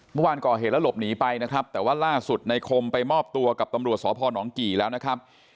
เมื่อวานก่อเหตุแล้วหลบหนีไปนะครับแต่ว่าล่าสุดในคมไปมอบตัวกับตำรวจสพนกี่แล้วนะครับ